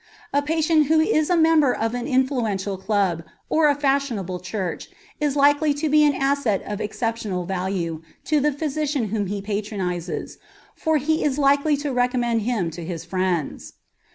A patient who is a member of an influential club or a fashionable church is likely to be an asset of exceptional value to the physician whom he patronizes, for he is likely to recommend him to his friends.